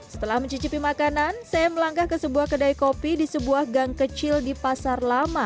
setelah mencicipi makanan saya melangkah ke sebuah kedai kopi di sebuah gang kecil di pasar lama